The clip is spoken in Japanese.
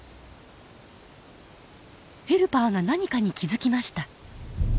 ヘルパーが何かに気付きました。